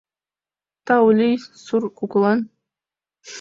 Тау лий сур кукулан